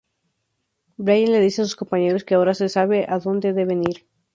Bran le dice a sus compañeros que ahora sabe hacia donde deben ir.